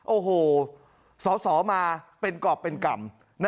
โอ้โหสอสอมาเป็นกรอบเป็นกรรม